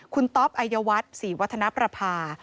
คุณต๊อปอายวัฒน์ศรีวัฒนประภา